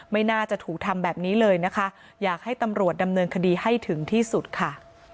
ไม่น่าจะถูกทำแบบนี้เลยนะคะอยากให้ตำรวจดำเนินคดีให้ถึงที่สุดค่ะ